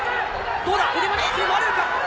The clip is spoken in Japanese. どうだ。